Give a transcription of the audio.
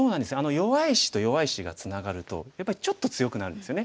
弱い石と弱い石がツナがるとやっぱりちょっと強くなるんですよね。